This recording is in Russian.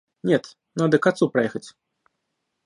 Нет, надо к отцу проехать.